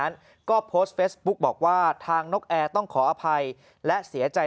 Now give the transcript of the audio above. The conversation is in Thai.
นั้นก็โพสต์เฟซบุ๊กบอกว่าทางนกแอร์ต้องขออภัยและเสียใจ